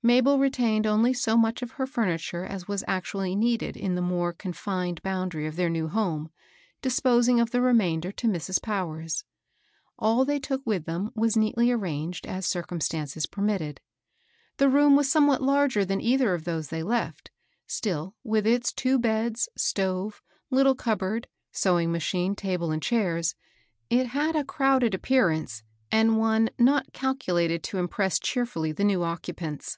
Mabel retained only so much of her furniture as was actually needed in the more confined boundary of their new home, disposing of the remainder to Mrs. Powers. All they took with them was neatly arranged as circumstances permitted. The room was somewhat larger than either of those they left ; still, with its two beds, stove, little cupboard, sew ing machine, table, and chairs* it had a crowded THE MOUNTAIN ASH. 147 appearance, and one not calculated to impress cheerfully the new occupants.